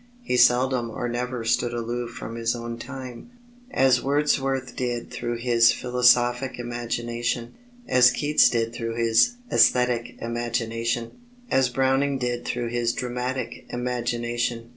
He seldom or never stood aloof from his own time, as Wordsworth did through his philosophic imagination, as Keats did through his æsthetic imagination, as Browning did through his dramatic imagination.